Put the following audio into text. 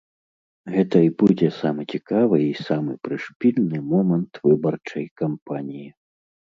Гэта і будзе самы цікавы і самы прышпільны момант выбарчай кампаніі.